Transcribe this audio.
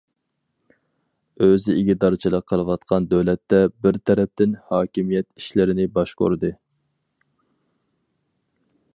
ئۆزى ئىگىدارچىلىق قىلىۋاتقان دۆلەتتە بىر تەرەپتىن ھاكىمىيەت ئىشلىرىنى باشقۇردى.